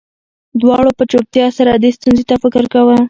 دواړو په چوپتیا سره دې ستونزې ته فکر کاوه